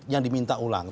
yang diminta ulang